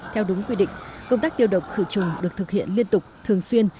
theo đúng quy định công tác tiêu độc khử trùng được thực hiện liên tục thường xuyên